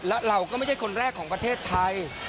และเราก็ไม่ใช่คนแรกของประเทศไทย